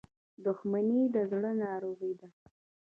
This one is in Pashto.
• دښمني د زړه ناروغي ده.